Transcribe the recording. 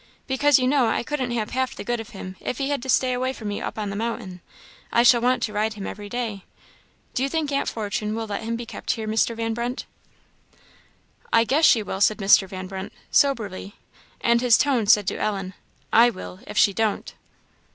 "Because you know I couldn't have half the good of him if he had to stay away from me up on the mountain. I shall want to ride him every day. Do you think aunt Fortune will let him be kept here, Mr. Van Brunt?" "I guess she will," said Mr. Van Brunt, soberly, and his tone said to Ellen, "I will, if she don't."